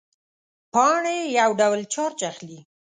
پاڼې یو ډول چارج اخلي.